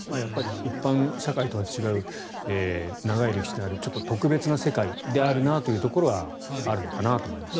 一般社会とは違う長い歴史のある特別な世界であるなというところはあるんだろうと思いますね。